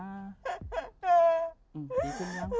ดีขึ้นยัง